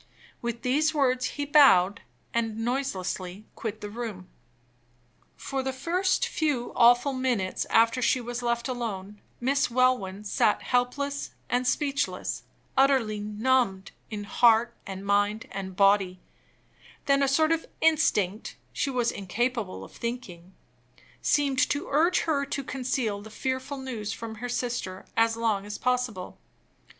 With these words he bowed, and noiselessly quitted the room. For the first few awful minutes after she was left alone, Miss Welwyn sat helpless and speechless; utterly numbed in heart, and mind, and body then a sort of instinct (she was incapable of thinking) seemed to urge her to conceal the fearful news from her sister as long as possible.